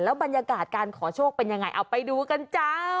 บรรยากาศการขอโชคเป็นยังไงเอาไปดูกันจ้า